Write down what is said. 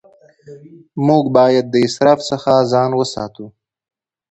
موږ باید د اسراف څخه ځان وساتو